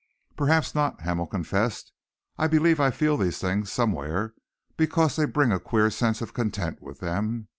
"Perhaps not," Hamel confessed. "I believe I feel these things somewhere, because they bring a queer sense of content with them.